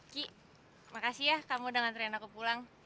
ki makasih ya kamu udah ngantrian aku pulang